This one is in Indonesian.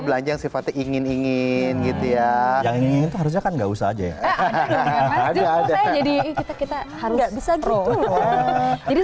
belanja sifat ingin ingin gitu ya yang harusnya kan enggak usah aja jadi kita kita harus jadi